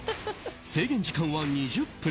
制限時間は２０分。